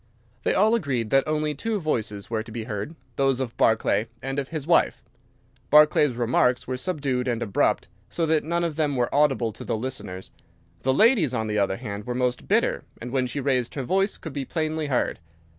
They all agreed that only two voices were to be heard, those of Barclay and of his wife. Barclay's remarks were subdued and abrupt, so that none of them were audible to the listeners. The lady's, on the other hand, were most bitter, and when she raised her voice could be plainly heard.